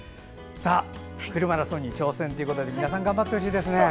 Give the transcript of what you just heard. フルマラソンに挑戦ということで皆さん頑張ってほしいですね。